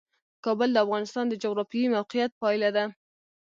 کابل د افغانستان د جغرافیایي موقیعت پایله ده.